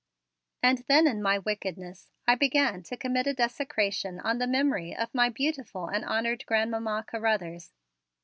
And then in my wickedness I began to commit a desecration on the memory of my beautiful and honored Grandmamma Carruthers.